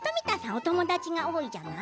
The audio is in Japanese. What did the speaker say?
お友達が多いじゃない。